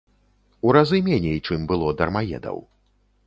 У разы меней, чым было дармаедаў.